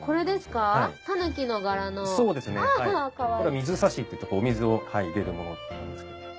水差しっていってお水を入れるものなんですけど。